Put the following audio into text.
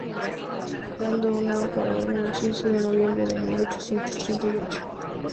Dado en Comayagua a quince de noviembre de mil ochocientos treinta y ocho.